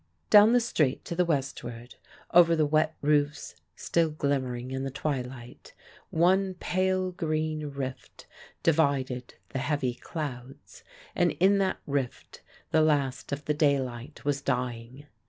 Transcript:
Down the street to the westward, over the wet roofs still glimmering in the twilight, one pale green rift divided the heavy clouds, and in that rift the last of the daylight was dying.